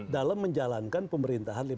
dalam menjalankan pemerintahan